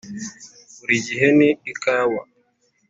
burigihe ni ikawa.